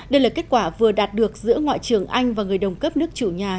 đây là kết quả vừa đạt được giữa ngoại trưởng anh và người đồng cấp nước chủ nhà